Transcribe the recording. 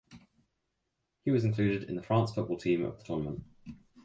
He was included in the France Football team of the tournament.